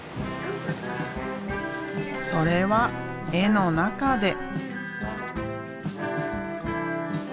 それは絵の中で。